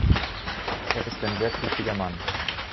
Er ist ein sehr tüchtiger Mann.